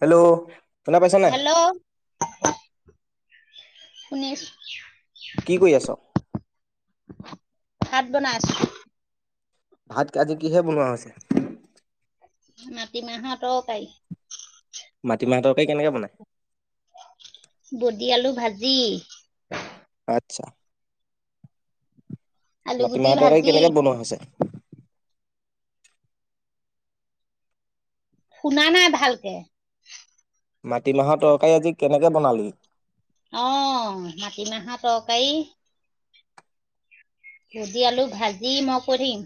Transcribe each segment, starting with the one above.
Hello শুনা পাইছনে নাই? শুনিছো। কি কৰি আছ? ভাত বনাই আছো। ভাত আজি কিহে বনোৱা হৈছে? মাটি মাহত তৰকাৰি। মাটিমাহৰ তৰকাৰী কেনেকে বনায়? গুটি আলু ভাজি। আচ্ছা। আলু গুটি মাটিমাহ টোৰ কি ভাজি কেনেকে বনোৱা হৈছে? শুনা নাই ভালকে। মাটিমাহৰ তৰকাৰী আজি কেনেকে বনালি? অ', মাটিমাহৰ তৰকাৰী। ভুজি আলু ভাজি মই কৰিম।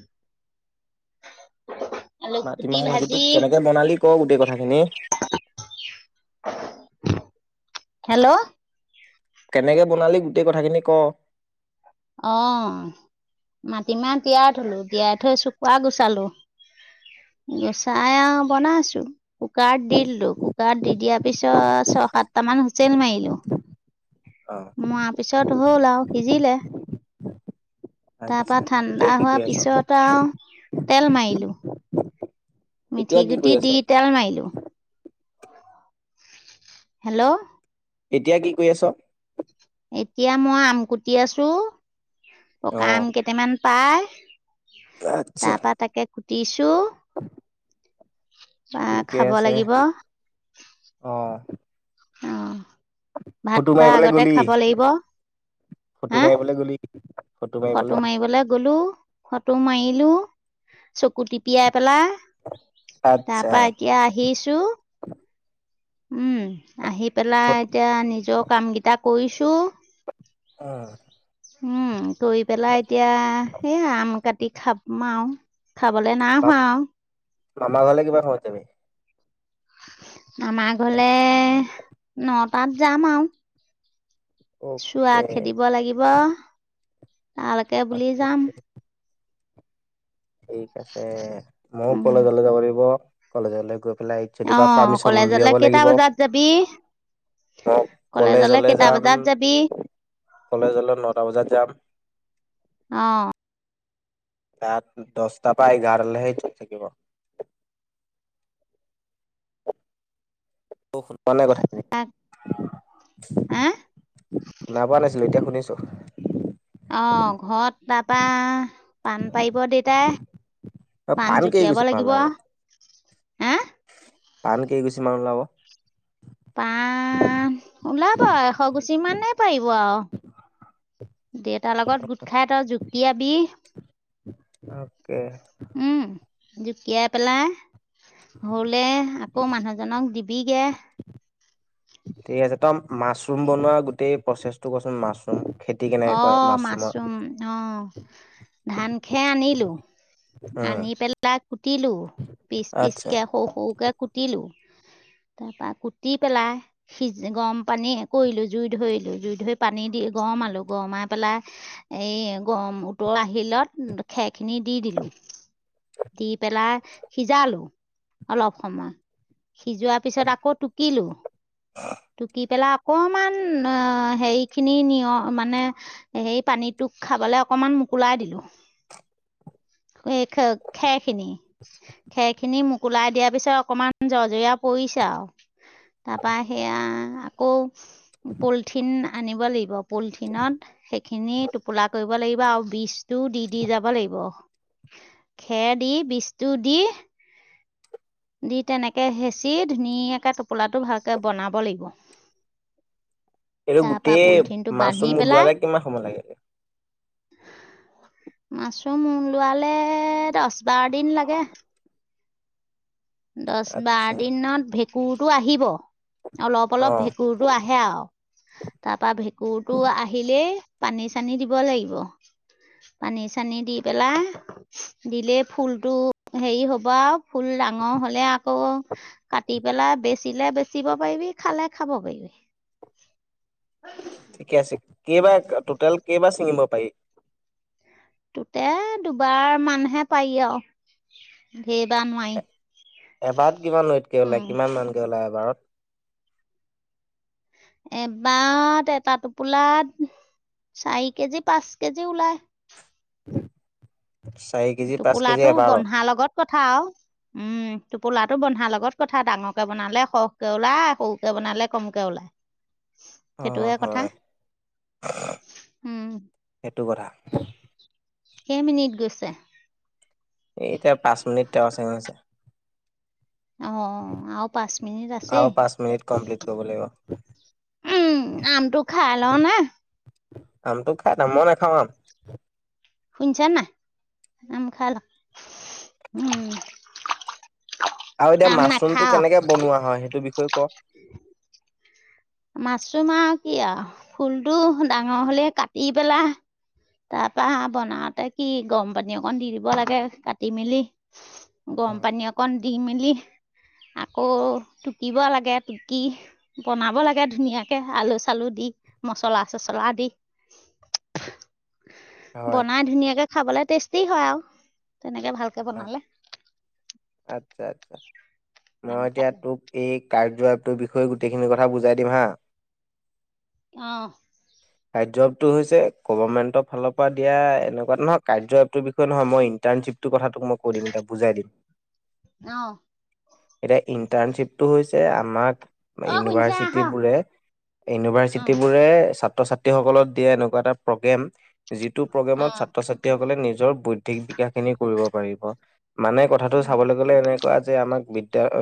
মাটিমাহৰ ভাজিটো কেনেকে বনালি কওঁক গোটেই কথাখিনি। হেল্ল'। কেনেকে বনালি গোটেই কথাখিনি ক'? অ', মাটিমাহ তিয়াই থ'লো তিয়াই থৈ চুকা গুচালো গুচাই আৰু বনাইছো কুকাৰত দি দিলো কুকাৰত দি দিয়াৰ পিছত ছয় সাতটামান হুইচেল মাৰিলো। অ'। মৰাৰ পিছত হ'ল আৰু সিজিলে। তাৰ পৰা আচ্ছা ঠাণ্ডা এতিয়া কি কৰি হোৱাৰ আছ পিছত আৰু তেল মাৰিলো। এতিয়া মিঠি কি গুটি কৰি আছ দি তেল মাৰিলোঁ। হেল্ল'। এতিয়া কি কৰি আছ'? এতিয়া মই আমকুটি আছো। অ পকা আম কেইটামান পায়। আচ্ছা তাৰ পৰা তাকে টিছু বা ঠিকে খাব আছে লাগিব। অ অ'। ভাত ফটো খোৱাৰ মাৰিবলৈ আগতে গলি খাব লাগিব ফটো হা। মাৰিবলৈ গলি ফটো মাৰিবলৈ গলো ফটো মাৰিলো। চকু টিপিয়াই পেলা তাৰ আচ্ছা পৰা এতিয়া আহিছো। উম। আহি ফ পেলাই এতিয়া নিজৰ কামকেইটাক কৰিছোঁ। অ'। উম কৰি পেলাই এতিয়া সেই আম কাটি খাম আৰু খাবলৈ নাই হোৱা আও। মামাৰ ঘৰলে কিমান সময় ত যাবি? মামাৰ ঘৰলে নটাত যাম আও। চোৱা অকে খেদিব লাগিব। তালৈকে বুলি বাকী যাম। ঠিক আছে ময়ো উম কলেজলৈ যাব লাগিব। কলেজলে গৈ পেলাই অ যদিবা পাৰ্মিচন কলেজলে উলিয়াব কেইটা লাগিব বজাত যাবি ম কলেজলে কেইটা যাম বজাত যাবি কলেজলৈ নটা বজাত যাম। অ তাত দহটা পৰা এঘাৰলৈহে খোল থাকিব। কচোন। নাই, নাই, হা শুনা পোৱা নাছিলো, এতিয়া শুনিছো। [inaudible] অ', ঘৰত তাৰপা পাণ পাৰিব দেউতাই পাণ কেই জুকিয়াব গুছি মান লাগিব। ওলাব পাণ কেই গুচি মান ওলাব? পাণ ওলাব এশ গুচি মানে পাৰিব আৰু দেউতাৰ লগত গোট খাই তই জুকিয়াবি। [inaudible] অ'কে। উম জুকিয়াই পেলাই হ'লে আকৌ মানুহজনক দিব। বিগে ঠিক আছে তই মাছৰুম বনোৱা গোটেই প্ৰচেছটো কচোন মাছৰুম। খেতি কেনেকে কৰে অ' মাছৰুমৰ মাছৰুম অ'। ধান-খেৰ আনিলো উম আনি পেলাই কুটিলো পিচ আচ্ছা পিচকে সৰু সৰুকে কুটিলো। তাৰ পৰা কুটি পেলাই সিজ গৰম পানী কৰিলো জুই ধৰিলো জুই ধৰি পানী দি গৰমালো। গৰমাই পেলাই এই গৰম উতল আহিলত খেক খিনি দি দিলো। দি পেলাই সিজালো অলপ সময় সিজোৱাৰ পিছত আকৌ টুকিলো। টুকি পেলাই অকনমান অ হেৰি খিনি নিয় মানে সেই পানীটোক খাবলৈ অকনমান মোকোলাই দিলো এই খেৰখিনি খেৰখিনি মোকুলাই দিয়াৰ পিছত অকনমান জৰ্জৰীয়া পৰিছে আৰু তাৰপৰা সেয়া আকৌ পলিথিন আনিব লাগিব। পলিথিনত খিনি টোপোলা কৰিব লাগিব আৰু বীজ টো দি দি যাব লাগিব। খেৰ দি বীজটো দি দি তেনেকে হেঁচি ধুনীয়াকে টোপোলাটো ভালকে বনাব লাগিব। এইটো তাৰপৰা গোটেই পলিথিনটো মাছৰুম ওলোৱালে কিমান সময় লাগে। মাছৰোম ওলোৱালে দহ, বাৰ দিন লাগে। দহ বাৰ আচ্ছা দিনত কুৰতো আহিব। অলপ অলপ অ', ভেঁকুৰটো আহে আৰু তাৰপৰা ভেঁকুৰটো আহিলেই পানী চানী দিব লাগিব পানী চানী দি পেলাই দিলে ফুলতটো হেৰি হ'ব আৰু ফুল ডাঙৰ হ'লে আকৌ কাটি পেলাই বেচিলে বেচিব পাৰিবি, খালে খাব পাৰিবি। ঠিকে আছে কেইবা টোটেল কেইবাৰ ছিঙিব পাৰি? ততে দুবাৰ মানহে পাৰি আৰু ধেৰবাৰ নোৱাৰি। এবাৰ কিমান লৈতাই কে ওলাই কিমানানকে ওলাই এবাৰত? এবাৰ এটা টোপোলাত চাৰি কেজি, পাঁচ কেজি ওলাই। চাৰি কেজি পাঁচ কেজি টোপোলাটো এবাৰত বন্ধাৰ লগত কথা আৰু। উম, টোপোলাটো বন্ধাৰ লগত কথা ডাঙৰকে বনালে সৰহকে ওলাই সৰুকে বনালে কমকে ওলায়। অ', সেইটোহে কথা হয় উম সেইটো কথা। কেইমিনিট গৈছে? এতিয়া পাঁচ মিনিট তেওঁ চেঙছে অ', আৰু পাঁচ মিনিট আৰু আছেই পাঁচ মিনিট কমপ্লিট কৰিব লাগিব। উম, আমটো খাই ল' নে। আমটো খাই নাম মই নেখাওঁ আম। শুনিছা নে নাই আম খাই ল' উম। আৰু এতিয়া আম মাছৰুমটো কেনেকে বনোৱা হয় সেইটো বিষয়ে ক'। উম। মাছৰুম আৰু কি আৰু ফুলটো ডাঙৰ হলে কাটি পেলা তাৰ পৰা হ বনাওতে কি গৰম পানী অকন দি দিব লাগে কাটি মেলি। গৰম অ', পানী অকণ দিম। মেলি আকৌ টুকিব লাগে টুকি বনাব লাগে ধুনীয়াকে আলু চালু দি মচলা চচলা দি হয়। বনাই ধুনীয়াকে খাবলে টেষ্টি হয় আৰু তেনেকে ভালকে হয় বনালে। আচ্ছা আচ্ছা। মই আম এতিয়া খালা তোক এই কাৰ্যই বিষয়ে গোটেইখ ক বুজাই দিম হা আহ। কাৰ্যটো হৈছে গভমেণ্টৰ ফালৰ পৰা দিয়া এনেকুৱ নহয় কাৰ্যটোৰ বিষয়ে নহয়ইটাৰ্শ্বিপটোৰ ক মই কৈ দিম এ বুজাই দিম। আহ। এতিয়া ইন্টাৰ্ণশ্বিপটো হৈছে আমাক অ শুনিছা আহ ইউনিভাৰ্চিটিবোৰে আহ ইউনিভাৰ্চিটিবোৰে ছ ছাত্ৰ ছাত্ৰীসকলক দিয়া এনেকুৱা এটা প্ৰগ্ৰেম যিটো প্ৰগ্ৰেমত আহ ছাত্ৰ ছাত্ৰীসকলে নিজৰ বৌদ্ধিক বিকাশ খিনি কৰিব। পাৰিব মানে কথাটো উম চাবলৈ গ'লে এনেকুৱা যে আমাক এ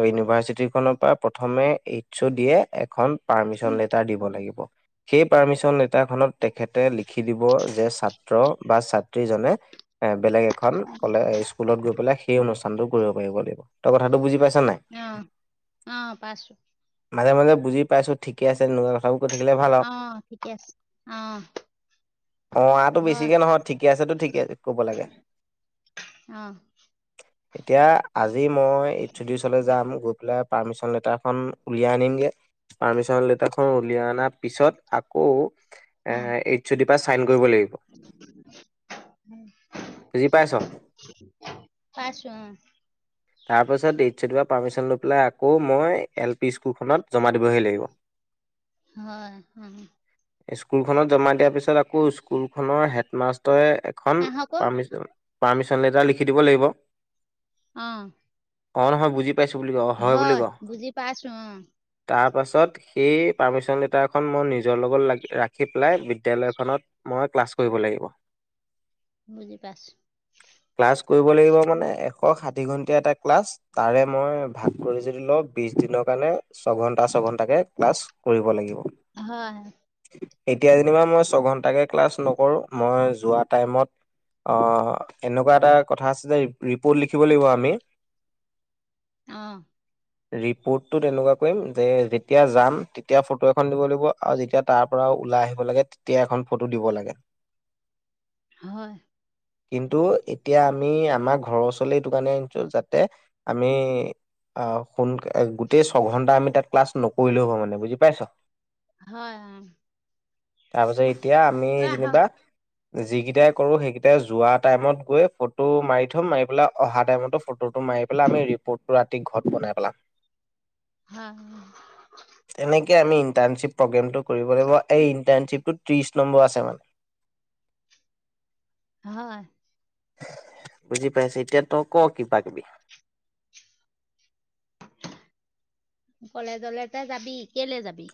ইউনিভাৰ্ছিটিৰ ফালৰ পৰা প্ৰথমে এইটছ' দিয়ে এখন পাৰ্মিচন উম লেটাৰ দিব লাগিব। সেই পাৰ্মিচন লেটাৰ খনত তেখেতে লিখি দিব যে, ছাত্ৰ বা ছাত্ৰী জনে বেলেগ এখন কলে স্কুলত গৈ পেলাই সেই অনুষ্ কামটো কৰিব পাৰিব লাগিব, তই কথাটো বুজি পাইছ নাই? অ', অ', পাইছোঁ। মাজে মাজে বুজি পাইছোঁ, ঠিকে আছে নুবুজা কথাবোৰ সুধিলে ভাল আৰু আহ ঠিকে আছে আহ অ', আটো হয় বেছিকে নহয়, ঠিকে আছে টো ঠিকে ক'ব লাগে। আহ এতিয়া, আজি মই ইনষ্টিটিউচনলৈ যাম, গৈ পেলাই পাৰ্মিচন লেটাৰখন উলিয়াই আনিমগে, পাৰ্মিচন লেটাৰখন উলিয়াই অনাৰ পিছত, আকৌ আ ভাল এইথ যদি পাছ কৰিব লাগিব, বুজি পাইছ'? পাইছো অ তাৰপাছত, এইচ অ', ডিৰ পৰা পাৰ্মিচন লৈ পেলাই আকৌ মই এল পি স্কুলখনত জমা দিবহি লাগিব। হয় অ স্কুলখনত জমা দিয়াৰ পিছত আকৌ স্কুলখনৰ হেডমাষ্টৰে এখন আহক পাৰ্মিচন পাৰ্মিচন লেটাৰ লিখি দিব লাগিব অ অ' নহয় বুজি পাইছোঁ বুলি কওঁ, অ' হয় বুলি কওঁ তাক বুজি পাইছো অ তাৰপাছত, সেই পাৰ্মিচন লেটাৰখন মই নিজৰ লগত লা ৰাখি পেলাই বিদ্যালয়খনত মই ক্লাছ কৰিব লাগিব। বুজি পাইছো ক্লাছ কৰিব লাগিব উম, মানে, এশ সাত দুই ঘণ্টীয়া এটা ক্লাছ তাৰে মই ভাগ কৰিছিলোঁ ধৰি লওঁক, বিছ দিনৰ কাৰণে ছঘণ্টা ছঘণ্টাকে ক্লাছ কৰিব লাগিব। হয় এতিয়া যেনিবা মই ছঘণ্টাকে ক্লাছ নকৰোঁ, মই যোৱা টাইমত--অ এনেকুৱা এটা কথা আছিলে ৰিপ'ৰ্ট লিখি শিকিব লাগিব আমি অ ৰিপ'ৰ্টটোত এনেকুৱা কৰিম যে যেতিয়া যাম, তেতিয়া ফটো এখন দিব লাগিব আৰু যেতিয়া তাৰ পৰা ওলাই আহিব লাগে, তেতিয়া এখন ফটো দিব লাগে। হয়। কিন্তু এতিয়া আমি আমাৰ ঘৰৰ ওচৰ বোলে এইটো কাৰণে আনিছো যাতে, আমি--আ সোন গোটেই ছঘন্টা আমি তাত ক্লাছ নকৰিলেও হ'ব মানে বুজি পাইছোঁ হয় অ তাৰপিছত, এতিয়া আমি আহ যেনিবা যিকেইটাই কৰোঁ সেইকেইটাই যোৱা টাইমত গৈ ফটো মাৰি থম, মাৰি পেলাই অহা টাইমতো ফটোটো মাৰি পেলাই আমি ৰিপৰ্টটো ৰাতি ঘৰত বনাই পেলাম। হা গ্ৰমটো কৰিব লাগিব এই ইটাৰশ্বিপটো ত্ৰিশ নম্বৰ আছে মানে হয় বুজি পাইছে এতিয়া ত ক কিবা কিবি কলেজলে ত যাবি কেলে যাবি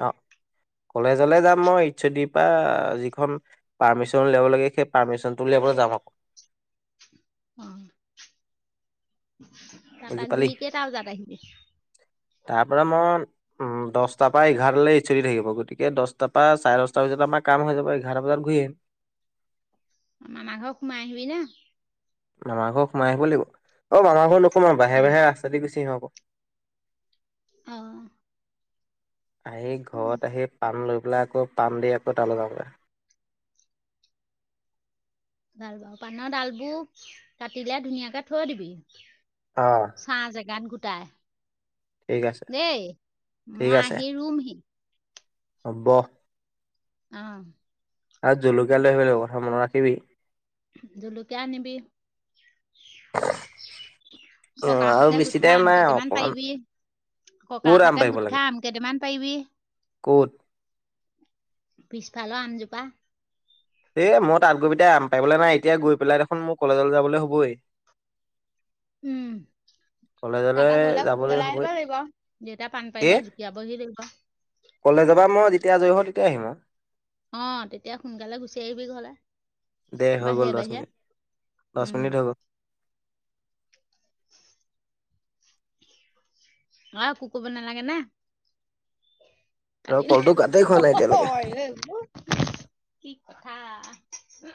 কলেজলৈ যাম মই ইচ্ছ দি পৰা যিখন পাৰ্মিশন উলিয়াব লাগে সেই পাৰ্মিশনটো উলিয়াবলৈ যাম আকৌ অ বুজি তাৰপৰা পালি গূৰি কে তজাত আহিবি তাৰ পৰা মই উম দহটা পাইগ এঘাৰ চলি থাকিব গতিকে দহটাৰ পৰা চাৰে দহটা বজাত আমাৰ কাম হৈ যাব এঘাৰটা বজাত ঘূৰি আহিম মানাঘৰ সোমাই আহিবি না মামাৰ ঘৰ সোমাই আহিব লাগিব অ মামাৰ ঘৰ লগ অকমান বাহে অ বাহে ৰাস্তা গুচি হক [unintelligible] অ আহি উম। ঘৰত আহি পাণ লৈ লে আকৌ পান দি আকৌ তাল যাওঁ ভাল বাৰ পাানৰ ডাল বোৰ কাটিলে ধুনীয়াকে থৈ দিবি অ চাহ জেগান গোটেই তাই ঠিক আছে দেই ঠিক মই আছে আহি ৰুমহি হ'ব আহ আৰু জলকীয়া লৈ আহিব কথা মনত ৰাখিবি জলকীয়া আনিবি অ আৰু ককাহঁতে গোট বেছি খাই টাইম আম নাই আৰু কেইটামান অকমান পাৰিবি ক'ত আম ককাহঁতে পাৰিব গোট লাগে খাই আম কেইটামান পাৰিবি ক'ত পিছফালৰ আমজোপা এই মই তাত গৈ পটাই আম পাৰিবল নাই এতিয়া গৈ পেলাই দেখোন মোৰ কলেজলৈ যাবলৈ হ'বেই উম তাৰপা ঘৰলে যাবলৈ সুতেলাই হ'বই আহিব লাগিব দেউতা পাণ কি পাৰিলে জুকিয়াবহি লাগিব কলেজৰ পৰা মই যেতিয়া আজৰি হওঁ আহিম অ তেতিয়া সোনকালে গুচি আহিবি ঘলে দে হৈ গ'ল দছ মিনিট দছ উম মিনিট হৈ গ'ল আহ কুকব নালাগে নে আৰু কলটো কাতেই খোৱা নাই এতিয়ালৈকে এইবোৰ কি কথা [unintelligible]